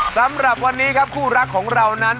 สำหรับวันนี้ครับคู่รักของเรานั้น